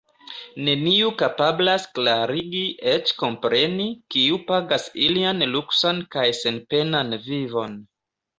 Neniu kapablas klarigi, eĉ kompreni, kiu pagas ilian luksan kaj senpenan vivon.